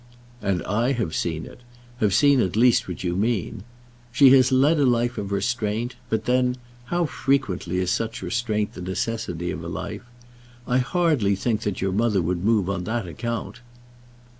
"And I have seen it; have seen at least what you mean. She has led a life of restraint; but then, how frequently is such restraint the necessity of a life? I hardly think that your mother would move on that account."